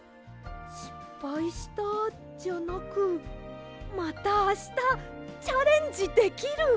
「しっぱいした」じゃなく「またあしたチャレンジできる」！